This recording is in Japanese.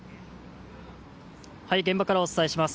現場からお伝えします。